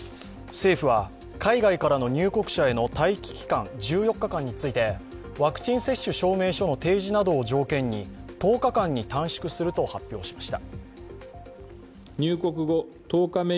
政府は海外からの入国者への待機期間１４日間についてワクチン接種証明書の提示などを条件に１０日間に短縮すると発表しました。